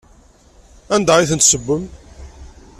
Anda ay tent-tessewwem?